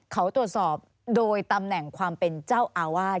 เขาตรวจสอบโดยตำแหน่งความเป็นเจ้าอาวาส